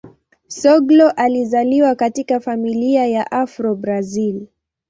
Soglo alizaliwa katika familia ya Afro-Brazil.